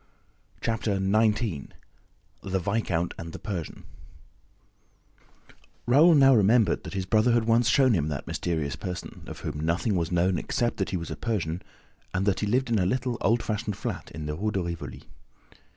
Chapter XIX The Viscount and the Persian Raoul now remembered that his brother had once shown him that mysterious person, of whom nothing was known except that he was a Persian and that he lived in a little old fashioned flat in the Rue de Rivoli.